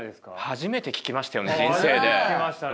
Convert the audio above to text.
初めて聞きましたよね人生で。